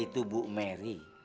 dia itu bu merry